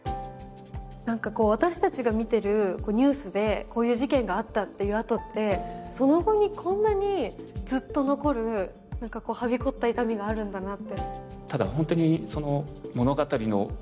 私たちが見ているニュースでこういう事件があったという後ってその後にこんなにずっと残るはびこった痛みがあるんだなって。